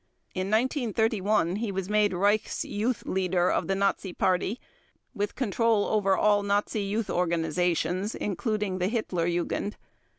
In 1931 he was made Reichs Youth Leader of the Nazi Party with control over all Nazi youth organizations, including the Hitler Jugend.